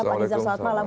pak nizar selamat malam